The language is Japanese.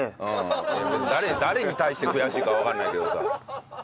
誰に対して悔しいかはわからないけどさ。